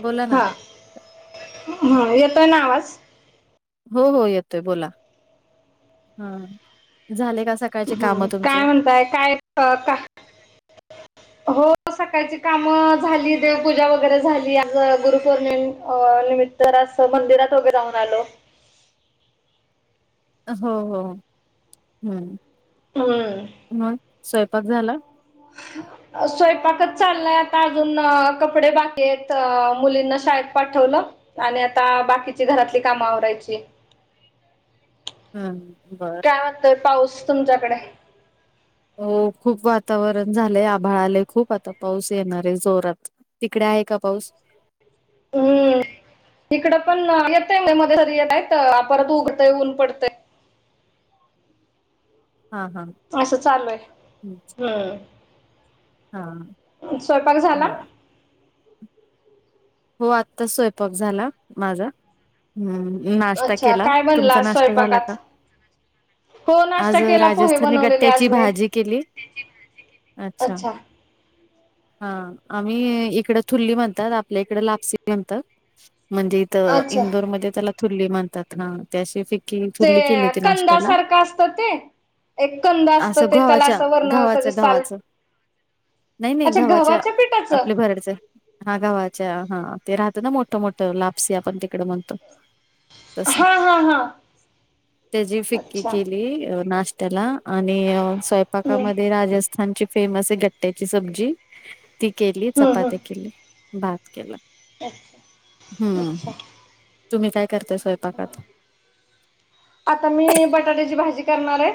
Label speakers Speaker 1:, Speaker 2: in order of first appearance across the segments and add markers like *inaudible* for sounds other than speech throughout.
Speaker 1: बोला ना.
Speaker 2: हा हा येतोना आवाज.
Speaker 1: हो हो येतोय बोला ह झाले का. सग
Speaker 2: हम्म काय म्हणताय काय *unintelligible* हो. सकाळची काम झाली देवपूजा वगैरे झाली आज गुरुपौर्णिम निमि तर असं मंदिरात वगैरे जाऊन आलो.
Speaker 1: हो हो हम्म.
Speaker 2: हम्म.
Speaker 1: मंग स्वयंपाक झाला.
Speaker 2: *unintelligible* स्वयंपाकच चाललाय आता अजून कपडे बाकी आहेत मुलींना शाळेत पाठवलं. आणि आता बाकीची घरातली काम आवरायची.
Speaker 1: हम्म बर.
Speaker 2: तर पाऊस तुमच्याकडे.
Speaker 1: हो खूप वातावरण झालंय आभाळा आलेय खूप आता पाऊस येणार आहे जोरात. तिकडे आहे का पाऊस.
Speaker 2: हम्म इकडं पण येतय म मधे येतय परत उगतंय ऊन पडतंय.
Speaker 1: हा हा.
Speaker 2: असं चालू हाय हम्म.
Speaker 1: हा
Speaker 2: स्वयंपाक झाला
Speaker 1: बर. हो आताच स्वयंपाक झाला माझा. हम्म नाश्टा
Speaker 2: अच्छा
Speaker 1: केला
Speaker 2: काय बनला
Speaker 1: तुमचा
Speaker 2: आज
Speaker 1: नाश्टा झाला का.
Speaker 2: स्वयंपाकात हो नाश्ता
Speaker 1: आज
Speaker 2: केला पोहे
Speaker 1: राजस्थानी
Speaker 2: बनवलेले आज
Speaker 1: गट्ट्याची
Speaker 2: मी
Speaker 1: भाजी केली. अच्छा हा आम्ही इकड थुर्ली म्हणतात आपल्या इकडे लापसी म्हणतात म्हणजे. तर
Speaker 2: अच्छा
Speaker 1: इंदोरमध्ये त्याला थुर्ली म्हणतात ना. त्याशी
Speaker 2: ते
Speaker 1: *unintelligible* केली होती नाश्टयाला.
Speaker 2: कंदासारखं असतं ते एक कंद असतं
Speaker 1: असं
Speaker 2: ते त्याला
Speaker 1: घोवाच्या
Speaker 2: असं वरण त्याचे
Speaker 1: गव्हाचं
Speaker 2: साल
Speaker 1: गव्हाचं. नाही नाही
Speaker 2: अच्छा
Speaker 1: गव्हाच्या
Speaker 2: पिठाचं
Speaker 1: आपल्या भरडच. हा गव्हाच्या हा ते राहतं ना मोठ मोठ लापसी आपण तिकडे म्हणतो. तस
Speaker 2: हा हा हा
Speaker 1: त्याची फिक्की
Speaker 2: अच्छा
Speaker 1: केली नाश्त्याला. आणि
Speaker 2: हम्म
Speaker 1: स्वयंपाकामध्ये राजस्थानची फेमस आहे गट्ट्याची सब्जी. ती केली
Speaker 2: हम्म
Speaker 1: चपाती
Speaker 2: हम्म
Speaker 1: केली. भात केला
Speaker 2: अच्छा अच्छा
Speaker 1: हम्म तुम्ही काय करताय स्वयंपाकात.
Speaker 2: आता मी बटाट्याची भाजी करणार आहे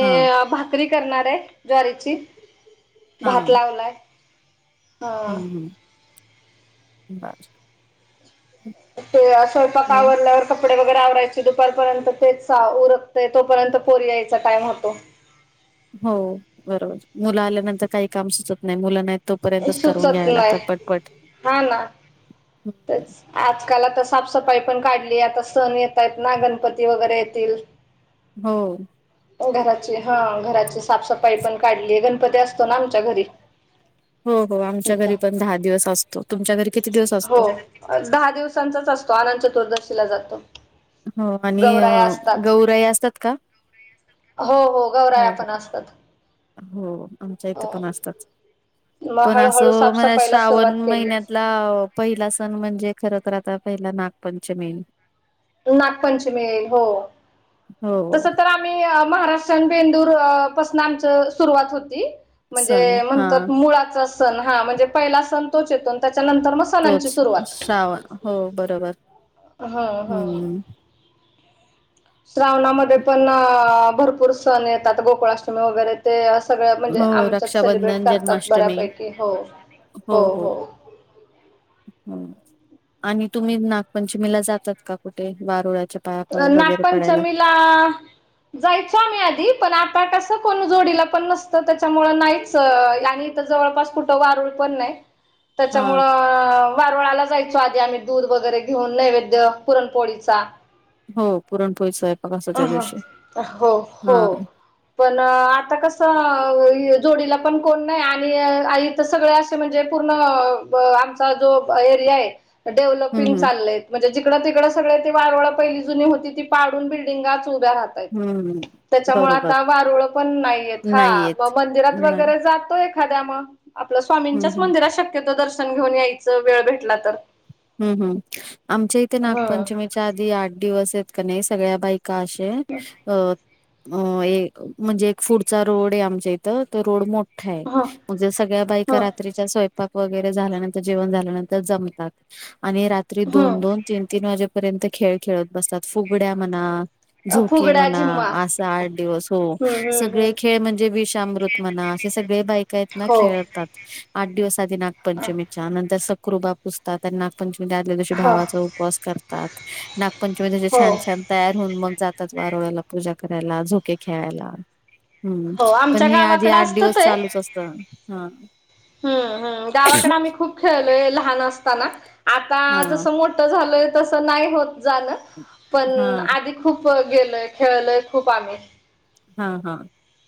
Speaker 1: हा
Speaker 2: भा करी करणारे ज्वारीची
Speaker 1: हा
Speaker 2: भात लावलाय. हा
Speaker 1: हम्म. हम्म. बर.
Speaker 2: ते स्वयंपाक आवरल्यावर. कपडे वगैरे आवरायचे दुपारपर्यंत ते उरकते तोपर्यंत पोरी यायचा टाइम होतो.
Speaker 1: हो बरोबर मुलं आल्यानंतर काही काम सुचत नाही मुलं नाही. तोपर्यंतच करू
Speaker 2: सुचत
Speaker 1: घ्यायला लागतात
Speaker 2: नाही
Speaker 1: पटपट. हम्म.
Speaker 2: तरच आजकाल तर साफसफाई पण काढली आता सण येत आहेत ना गणपती वगैरे येतील. हम्म.
Speaker 1: हो.
Speaker 2: घराची हा घराची साफसफाई पण काढली गणपती असतो ना आमच्या घरी. *inaudible*
Speaker 1: हो हो आमच्या घरी
Speaker 2: इथं
Speaker 1: पण दहा दिवस असतो तुमच्या घरी किती दिवस
Speaker 2: हो
Speaker 1: असतो
Speaker 2: दहा दिवसांचाच असतो आनंद चतुर्दशीला जातो.
Speaker 1: हो आणि
Speaker 2: गौराया असतात
Speaker 1: गौराई असतात का?
Speaker 2: हो हो ग
Speaker 1: हो का हो आमच्या इथं
Speaker 2: हो
Speaker 1: पण असतात.
Speaker 2: मग
Speaker 1: पण
Speaker 2: हळूहळू
Speaker 1: असं म्हण
Speaker 2: साफसफाईला
Speaker 1: श्रावण
Speaker 2: सुरुवात केली
Speaker 1: महिन्यात पहिला सण म्हणजे खर तर आता पहिला नागपंचमी.
Speaker 2: नागपंचमी हो.
Speaker 1: हो
Speaker 2: तस तर आम्ही महाराष्ट्र आणि बेंदूर पासून आमच सुरुवात होती. म्हणजे
Speaker 1: सण हा
Speaker 2: म्हणतात मुळाचा सण हा म्हणजे पहिला सण तोच येतो त्याच्यानंतर मग सणांची
Speaker 1: तोच
Speaker 2: सुरुवात
Speaker 1: श्रावण हो बरोबर
Speaker 2: ह ह
Speaker 1: हम्म.
Speaker 2: श्रावणामध्ये पण भरपूर सण येतात गोकुळाष्टमी वगैरे ते सगळं म्हणजे
Speaker 1: हो
Speaker 2: आमच्यात सेलिब्रेट
Speaker 1: रक्षाबंधन
Speaker 2: करतात
Speaker 1: जन्माष्टमी
Speaker 2: बऱ्यापैकी हो हो हो.
Speaker 1: हम्म. आणि तुम्ही नागपंचमीला जातात का कुठे? वारुळाच्या पायापळ वगैरे पडायला.
Speaker 2: *unintelligible* जायचो आम्ही आधी पण आता कसं कोण जोडीला पण नसतं त्याच्यामुळ नाहीच आणि जवळपास कुठे वारूळ पण नाही
Speaker 1: हा
Speaker 2: त्याच्यामुळं वारूळाला जायचो आधी आम्ही दूध वगैरे घेऊन नैवेद्य पुरणपोळीचा
Speaker 1: हो पुरणपोळी स्वयंप
Speaker 2: अ हा हो हो. पण आता कसं जोडीला पण कोण नाही आणि ईथ सगळी इथ म्हणजे पूर्ण आमचा जो एरिया आहे. डेव्हलपिंग
Speaker 1: हम्म
Speaker 2: चालय म्हणजे जिकडं तिकड सगळं ते वारूळ पहिली जुनी होती ती पाडून बिल्डिंगाच उभ्या राहतात.
Speaker 1: हम्म.
Speaker 2: त्याच्यामुळे
Speaker 1: बरोबर
Speaker 2: आता वारुळ पण नाही येत हा
Speaker 1: नाही
Speaker 2: म
Speaker 1: येत
Speaker 2: मंदिरात
Speaker 1: नाही
Speaker 2: वगैरे जातोय एखाद्या म आपलं
Speaker 1: हम्म
Speaker 2: स्वामींच्याच
Speaker 1: हम्म
Speaker 2: मंदिरात शक्यतो दर्शन घेऊन यायचं वेळ भेटला तर.
Speaker 1: हम्म हम्म आमच्या इथे
Speaker 2: ह
Speaker 1: नागपंचमी च्या आधी आठ दिवस येत का नाही सगळ्या बाईका अशे अ अ ए म्हणजे एक पुढचा रोड आहे आमच्या इथं त रोड मो ठा आहे
Speaker 2: ह
Speaker 1: म्हणजे सगळ्या
Speaker 2: ह
Speaker 1: बायका रात्रीच्या स्वयंपाक वगैरे झाल्यानंतर जेवण झाल्यानंतर जमतात आणि रात्री
Speaker 2: ह
Speaker 1: दोन-दोन, तीन-तीन वाजेपर्यंत खेळ खेळत बसतात फुगड्या म्हणा झोके
Speaker 2: फुगड्या
Speaker 1: म्हणा
Speaker 2: झिम्मा
Speaker 1: असा आठ दिवस हो.
Speaker 2: हम्म हम्म
Speaker 1: सगळे
Speaker 2: हम्म
Speaker 1: खेळ म्हणजे विषामृतमना असे सगळे बायका येत ना
Speaker 2: हो
Speaker 1: खेळतात. आठ दिवस आधी नागपंचमीच्या नंतर सक्रूबा पुजतात त्या नागपंचमी आदले दिवशी
Speaker 2: हो
Speaker 1: भावाचं उपवास करतात नागपंचमीच जे
Speaker 2: हो
Speaker 1: छान-छान तयार होऊन मग जातात वारूळ्याला पूजा करायला झोके खेळायला. हम्म
Speaker 2: हो
Speaker 1: पण
Speaker 2: आमच्या
Speaker 1: हे आधी
Speaker 2: गावाकडे
Speaker 1: आठ
Speaker 2: असतं
Speaker 1: दिवस
Speaker 2: ते
Speaker 1: चालूच असतं हा.
Speaker 2: हम्म हम्म गावाकडे आम्ही खूप खेळलोय लहान असताना आता
Speaker 1: हा
Speaker 2: जसं मोठ ठं झालोय तसं नाही होत जान पण
Speaker 1: हा.
Speaker 2: आधी खूप गगेलोय खेळलोय खूप आम्ही.
Speaker 1: हा हा.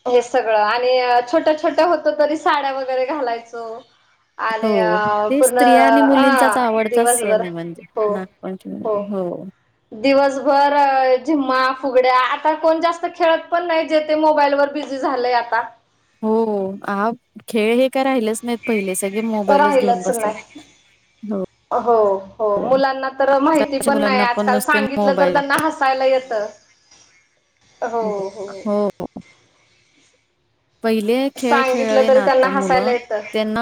Speaker 2: हे सगळं आणि अ छोट्या-छोट्या होतं तरी साड्या वगैरे घालायचो. आले
Speaker 1: हो
Speaker 2: अ
Speaker 1: ते
Speaker 2: पूर्ण
Speaker 1: स्त्रिया आणि
Speaker 2: हा
Speaker 1: मुलींचाच आवडताच सण
Speaker 2: दिवसभर
Speaker 1: आहे म्हणजे
Speaker 2: हो
Speaker 1: नागपंचमी
Speaker 2: हो. दिवसभर जिम्मा फुगड्या आता कोण जास्त खेळत पण नाही. जे ते मोबाईल वर बिझी झालंय आता.
Speaker 1: हो हा खेळ हे काय राहिलेच नाही. पहिले सगळे मोबाईलच घेऊन
Speaker 2: राहिलंच
Speaker 1: बसतात
Speaker 2: नाही
Speaker 1: हो.
Speaker 2: हो हो मुलांना तर माहिती पण नाही
Speaker 1: मुलांना
Speaker 2: आजकाल
Speaker 1: नुसते
Speaker 2: सांगितलं तर
Speaker 1: मोबाईल
Speaker 2: त्यांना
Speaker 1: लागतात
Speaker 2: हसायला येतं. हो हो.
Speaker 1: हो. पहिले खेळ
Speaker 2: सांगितलं
Speaker 1: खेळाले ना
Speaker 2: तरी त्यांना
Speaker 1: आता
Speaker 2: हसायला
Speaker 1: मुलं
Speaker 2: येतं
Speaker 1: त्यांना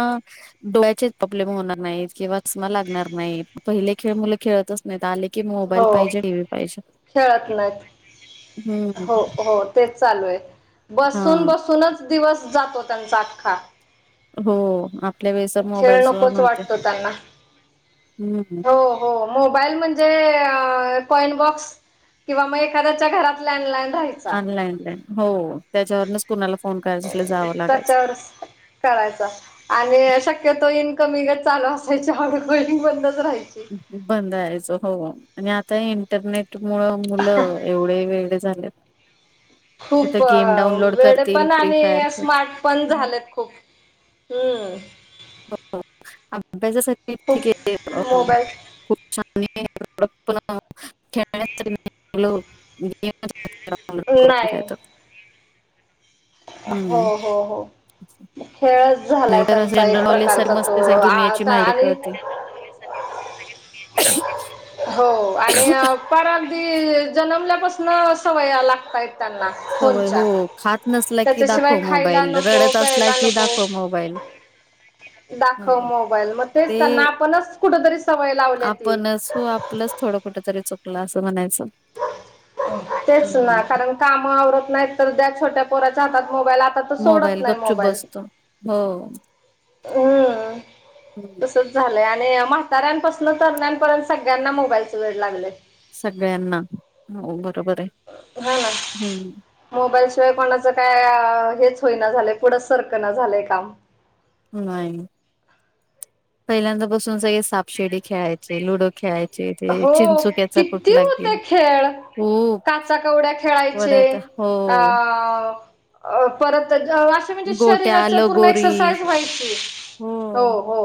Speaker 1: डोळ्यांचे प्रॉब्लेम होणार नाही किंवा चष्मा लागणार नाही पहिले खेळ मुलं खेळतच नाही तर आले की मोबाईल
Speaker 2: हो
Speaker 1: पाहिजे किंवा टीव्ही पाहिजे
Speaker 2: खेळत नाहीत हो
Speaker 1: हम्म.
Speaker 2: हो तेच चालू आहे
Speaker 1: हा
Speaker 2: बसून बसूनच दिवस जातो त्यांचा अख्खा.
Speaker 1: हो आपल्या वेळेस मोबाईल
Speaker 2: खेळ
Speaker 1: सोर
Speaker 2: नकोच
Speaker 1: नव्हतं
Speaker 2: वाटतो त्यांना
Speaker 1: हम्म हम्म.
Speaker 2: हो हो मोबाईल मन जे अ कॉइन बॉक्स किंवा म एखाद्याच्या घरात लँडलाईन राहाय
Speaker 1: लॅनलाईन हो त्याच्यावरूनच कुणाला फोन करायचं असलं जावं लागायचं.
Speaker 2: त्याच्यावरच करायचा आणि शक्यतो इनकमिंग चालू असायची ऑडकॉलिंग बंदच राहायची.
Speaker 1: बंदायचं राहायचं हो आणि आ ता इंटरनेट मुळं मुलं एवढे वेळे झाल्यात.
Speaker 2: खूप वेळे पण
Speaker 1: फ्री फायर
Speaker 2: आणि
Speaker 1: खेळ
Speaker 2: स्मार्ट पण झालेत खूप. हम्म. खूप
Speaker 1: *unintelligible*
Speaker 2: मोबाईल
Speaker 1: *unintelligible*
Speaker 2: नाही
Speaker 1: *unintelligible*
Speaker 2: हो
Speaker 1: हम्म.
Speaker 2: हो हो खेळच झालाय
Speaker 1: नाहीतर असं
Speaker 2: त्यांचा
Speaker 1: जनरल
Speaker 2: एक
Speaker 1: नॉलेज सारी
Speaker 2: प्रकारचा तो
Speaker 1: मस्त सारी दुनियाची
Speaker 2: आता
Speaker 1: माहिती
Speaker 2: आणि
Speaker 1: कळते
Speaker 2: हो आणि हो परत अगदी जन्मल्यापासनं सवया लागताय त्यांना
Speaker 1: सवय हो
Speaker 2: फोनच्या.
Speaker 1: खात नसला की
Speaker 2: त्याच्याशिवाय
Speaker 1: दाखव
Speaker 2: खायला
Speaker 1: मोबाईल
Speaker 2: नको,
Speaker 1: रडत असला
Speaker 2: प्यायला
Speaker 1: की
Speaker 2: नको.
Speaker 1: दाखव मोबाईल
Speaker 2: दाखव
Speaker 1: हो.
Speaker 2: मोबाईल, मग तेच त्यांना
Speaker 1: ते
Speaker 2: आपणच कुठतरी सवय लावल्या ती.
Speaker 1: असो आपलंच थोडं कुठं तरी चुकलं असं म्हणायचं.
Speaker 2: तेच ना
Speaker 1: हम्म.
Speaker 2: कारण काम आवरत नाहीत तर द्या छोट्या पोराच्या हातात मोबाईल आता तो सोडत
Speaker 1: मोबाईल
Speaker 2: नाही
Speaker 1: गपचूप
Speaker 2: मोबाईल.
Speaker 1: बसतो हो.
Speaker 2: हम्म. तसंच झालंय आणि म्हाताऱ्यांपासनन तरण्यापर्यंत सगळ्यांना मोबाईलच वेड लागलंय.
Speaker 1: सगळ्यांना हो बरोबर आहे.
Speaker 2: हा.
Speaker 1: हम्म
Speaker 2: मोबाईलशिवाय कोणाचं काय हेच होईना झालंय पुढचं सरकं ना झालंय काम.
Speaker 1: नाही. पहिल्यांदा बसून सगळे साफ शेडी खेळायचे, लुडो खेळायचे ते
Speaker 2: हो
Speaker 1: चिंचुक्याचं
Speaker 2: किती
Speaker 1: कुठलं की
Speaker 2: होते खेळ काचा कवड्या खेळायचे.
Speaker 1: वडायचा हो
Speaker 2: अ अ परत जव ते म्हणजे
Speaker 1: गोट्या,
Speaker 2: शरीराचं पूर्ण म्हणजे
Speaker 1: लगोरी
Speaker 2: एक्सरसाईज व्हायची हो हो.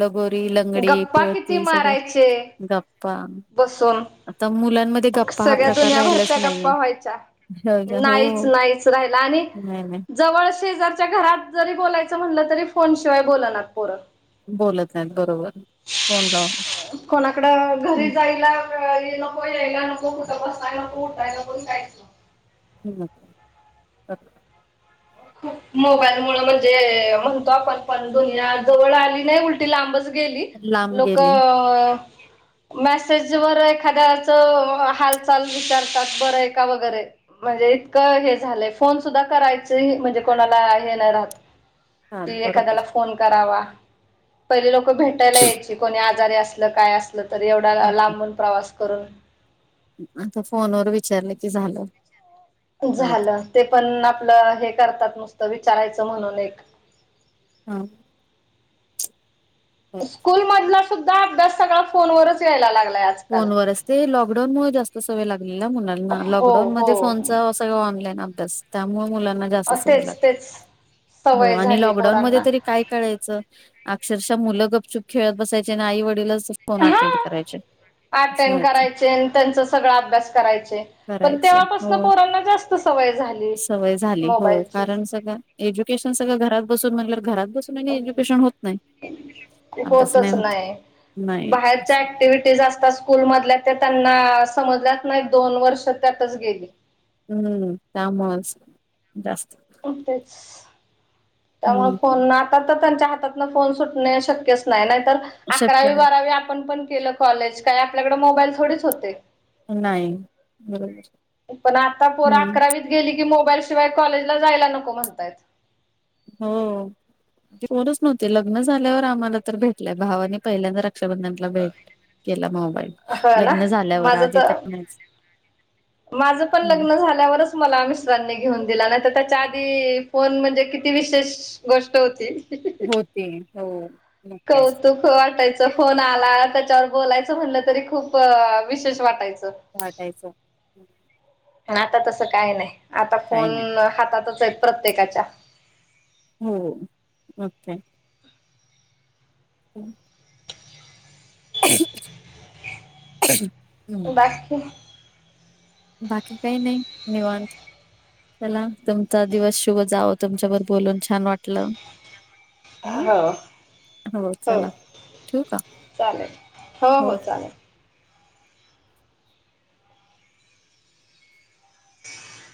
Speaker 1: लगोरी ल
Speaker 2: गप्पा किती मारायचे.
Speaker 1: गप्पा
Speaker 2: बसून
Speaker 1: आता मुलांमध्ये गप्पा हा
Speaker 2: सगळ्या
Speaker 1: प्रकार राहिलाच
Speaker 2: दुनियाभरच्या
Speaker 1: नाहीये.
Speaker 2: गप्पा व्हायच्या.
Speaker 1: हो
Speaker 2: नाहीच
Speaker 1: हो.
Speaker 2: नाहीच राहिलं आणि
Speaker 1: नाही नाही
Speaker 2: जवळ शेजारच्या घरात जरी बोलायचं म्हणलं, तरी फोन शिवाय बोलणात पोरं.
Speaker 1: बोलत नाहीत बरोबर फोन लावून.
Speaker 2: कोणाकडं घरी
Speaker 1: हं,
Speaker 2: जायला हि नको, यायला नको, कुठं बसाय नको, उठाय नको काय.
Speaker 1: हम्म. *unintelligible*
Speaker 2: मोबाईलमुळं म्हणजे म्हणतो आपण पण दुनिया जवळ आली नाही, उल ती लांबच गेली.
Speaker 1: लांब गेले
Speaker 2: लोकं मॅसेजवर एखाद्याच हालचाल विचारतात बरं आहे का वगैरे. म्हणजे इतकं हे झालंय, फोन सुद्धा करायचं ते म्हणजे कोणाला हे नाही राहत
Speaker 1: हा
Speaker 2: की एखाद्याला
Speaker 1: बरोबर.
Speaker 2: फोन करावा. पहिले लोक भेटायला यायची कोणी आजारी असलं, काय असं नाही तर एवढा
Speaker 1: हम्म
Speaker 2: लांबून प्रवास करून
Speaker 1: आता फोनवर विचारलं की झालं.
Speaker 2: झालं. ते पण आपलं हे करतात नुसतं विचारायचं म्हणून एक
Speaker 1: हा.
Speaker 2: स्कूलमधला सुद्धा अभ्यास सगळा फोनवरच यायला लागलायं आज.
Speaker 1: फोनवरच ते लॉकडाऊनमुळं जास्त सवय लागली ना मुलांना.
Speaker 2: हो
Speaker 1: लॉकडाऊनमध्ये
Speaker 2: हो
Speaker 1: फोनचा सगळं ऑनलाईन अभ्यास त्यामुळे मुला जास्त सवय
Speaker 2: तेच
Speaker 1: लागली.
Speaker 2: तेच
Speaker 1: हो
Speaker 2: सवय
Speaker 1: आणि
Speaker 2: झाली
Speaker 1: लाॅकडाउनमध्ये
Speaker 2: पोरांना.
Speaker 1: तरी काय करायचं अक्षरशः मुलं गपचुप खेळत बसायचे आणि आई वडीलच फोन
Speaker 2: हा
Speaker 1: अटेंड करायचे. असं
Speaker 2: अटेंड
Speaker 1: व्हायचं
Speaker 2: करायचे आणि त्यांच सगळा अभ्यास करायचे. पण
Speaker 1: करायचे हो
Speaker 2: तेव्हापासन पोरांना जास्त सवय झाली.
Speaker 1: सवय झाली हो
Speaker 2: मोबाईलची.
Speaker 1: कारण. सगळं एज्युकेशन सगळं घरात म्हट घरात बसून आणि एज्युकेशन होत नाय.
Speaker 2: होतच नाही
Speaker 1: नाही
Speaker 2: बाहेरच्या
Speaker 1: असं.
Speaker 2: ऍक्टिव्हटीज आस स्कूल मधल्या ते त्यांना समजल्यात नाही दोन वर्ष त्यातच गेली.
Speaker 1: हम्म त्यामुळस जास्त.
Speaker 2: तेच
Speaker 1: हम्म
Speaker 2: फोन आता तर त्यांच्या हातातन फोन सुटणे तर शक्यच नाही नाहीतर.
Speaker 1: शक्य
Speaker 2: अकरावी
Speaker 1: नाही
Speaker 2: बारावी आपण पण केलं कॉलेज, काय आपल्याकडे मोबाईल थोडीच होते.
Speaker 1: नाही बरोबर.
Speaker 2: पण आता पोरा
Speaker 1: हम्म
Speaker 2: अकरावीत गेली की मोबाईल शिवाय कॉलेजला जायला नको म्हणताय.
Speaker 1: हो. रच नव्हती लग्न झाल्यावर आम्हाला तर भेटलंय भावानी पहिल्यांदा रक्षाबंधन ला, भेट केला मोबाईल
Speaker 2: हो ना
Speaker 1: लग्न झाल्यावर आधी तर नाहीच.
Speaker 2: माझ पण
Speaker 1: हं.
Speaker 2: लग्न झाल्यावरच मला मिश्रांनी घेऊन दिला नाही तर त्याच्या आधी फोन म्हणजे किती विशेष गोष्ट होती.
Speaker 1: होती हो. मग काय
Speaker 2: कौतुक वाटायचं फोन आला, त्याच्यावर बोलायचं म्हणलं तरी खूप विशेष वाटायचं.
Speaker 1: वाटायचं
Speaker 2: आता तस काय नाही आता
Speaker 1: काही नाही
Speaker 2: फोन हातातच आहेत प्रत्येकाच्या.
Speaker 1: हो मग काय. हम्म. हम्म.
Speaker 2: बाकी
Speaker 1: बाकी काही नाही निवांत. चला तुमचा दिवस शुभ जावो तुमच्या बर बोलून छान वाटलं. हम्म,
Speaker 2: हो
Speaker 1: हो चला ठेऊ का? हो.
Speaker 2: *inaudible*